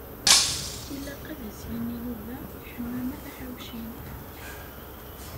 Tilaq ad as-yini Yuba i Ḥemmama Taḥawcint.